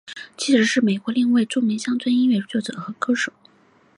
妻子是美国另一位同为著名乡村音乐作者和歌手。